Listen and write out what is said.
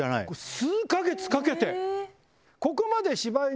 数か月かけて。